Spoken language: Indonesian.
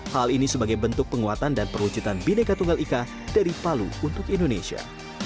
hal ini sebagai bentuk penguatan dan perwujudan bineka tunggal ika dari palu untuk indonesia